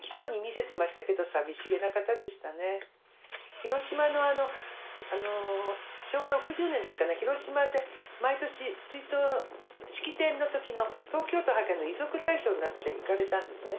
広島のあの昭和６０年の時かな広島で毎年追悼式典の時の東京都の遺族代表になって行かれたんですね。